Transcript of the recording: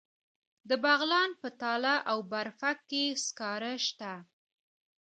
د بغلان په تاله او برفک کې سکاره شته.